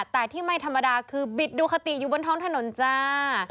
แต่ที่ไม่ธรรมดาคือบิดดูคติอยู่บนท้องถนนจ้า